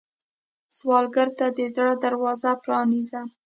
سوالګر ته د زړه دروازه پرانیزه